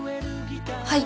はい。